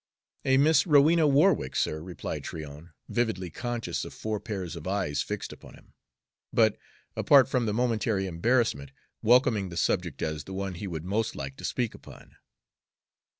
"A Miss Rowena Warwick, sir," replied Tryon, vividly conscious of four pairs of eyes fixed upon him, but, apart from the momentary embarrassment, welcoming the subject as the one he would most like to speak upon.